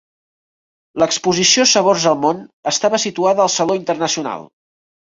L'exposició 'Sabors del món' estava situada al saló internacional.